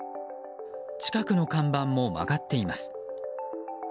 近くの看板も曲がっています。